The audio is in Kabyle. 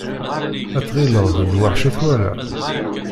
Ad tɣileḍ d lweḥc i twala.